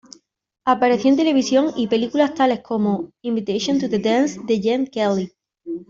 Apareció en televisión y películas tales como "Invitation to the Dance" de Gene Kelly.